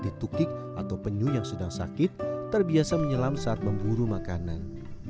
di tengah sebagai upaya melatih tukik atau penyu yang sedang sakit terbiasa menyelam saat memburu makanan